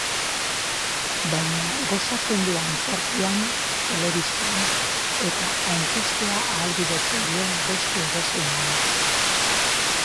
Baina gozatzen du antzerkian, telebistan eta antzestea ahalbidetzen dion beste edozein lanetan.